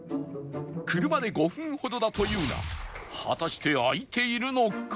車で５分ほどだというが果たして開いているのか？